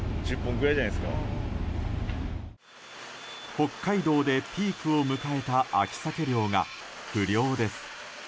北海道でピークを迎えた秋サケ漁が不漁です。